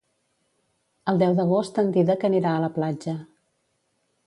El deu d'agost en Dídac anirà a la platja.